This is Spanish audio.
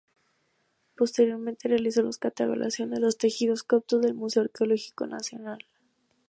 Posteriormente, realizó la catalogación de los tejidos coptos del Museo Arqueológico Nacional.